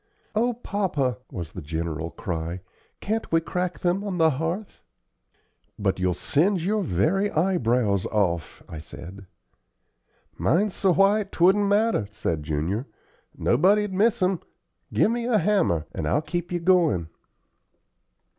"O papa!" was the general cry, "can't we crack them on the hearth?" "But you'll singe your very eyebrows off," I said. "Mine's so white 'twouldn't matter," said Junior; "nobody'd miss 'em. Give me a hammer, and I'll keep you goin'."